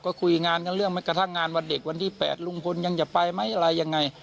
ก็คุยงานกันเรื่องกระทั่งงานวันเด็กวันที่๘ลุงพลยังจะไปไหมอะไรยังไง